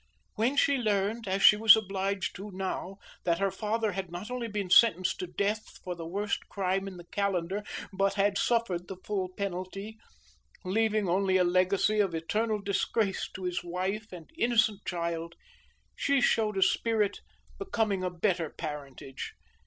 When she learned, as she was obliged to now, that her father had not only been sentenced to death for the worst crime in the calendar, but had suffered the full penalty, leaving only a legacy of eternal disgrace to his wife and innocent child, she showed a spirit becoming a better parentage.